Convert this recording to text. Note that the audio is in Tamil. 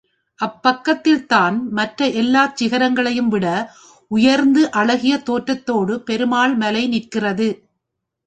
அப்பக்கத்தில் தான் மற்ற எல்லாச் சிகரங்களையும்விட உயர்ந்து அழகிய தோற்றத்தோடு பெருமாள் மலை நிற்கிறது.